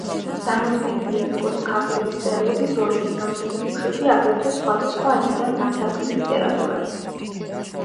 წარმოდგენილია როგორც ქართული მწერლობის ორიგინალური ნიმუშები, აგრეთვე სხვადასხვა ენიდან ნათარგმნი ლიტერატურაც.